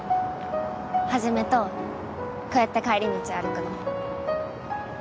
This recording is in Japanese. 肇とこうやって帰り道歩くの。